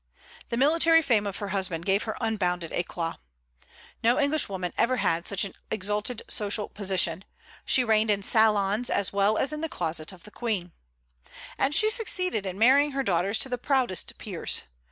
The military fame of her husband gave her unbounded éclat. No Englishwoman ever had such an exalted social position; she reigned in salons as well as in the closet of the Queen. And she succeeded in marrying her daughters to the proudest peers.